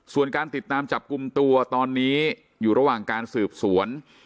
ส่วนการติดตามจับกลุ่มตัวตอนนี้อยู่ระหว่างการสืบสวน